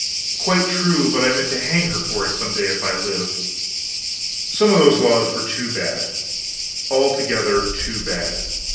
Quite true, but I meant to hang her for it some day if I lived. Some of those laws were too bad, altogether too bad.